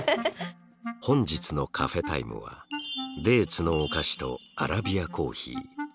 本日のカフェタイムはデーツのお菓子とアラビアコーヒー。